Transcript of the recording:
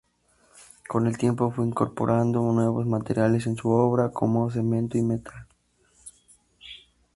Con el tiempo fue incorporando nuevos materiales en su obra, como cemento y metal.